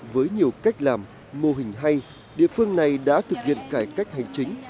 với nhiều cách làm mô hình hay địa phương này đã thực hiện cải cách hành chính